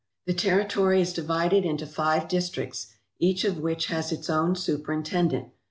The territory is divided into five districts, each of which has its own superintendent.